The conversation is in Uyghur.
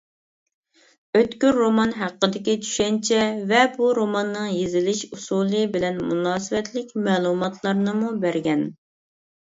ئۆتكۈر رومان ھەققىدىكى چۈشەنچە ۋە بۇ روماننىڭ يېزىلىش ئۇسۇلى بىلەن مۇناسىۋەتلىك مەلۇماتلارنىمۇ بەرگەن.